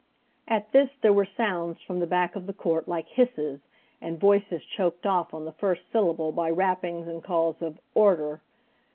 At this there were sounds from the back of the court like hisses, and voices choked off on the first syllable by rappings and calls of "Order!"